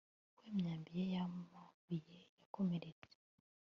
Ko imyambi ye yamabuye yakomeretse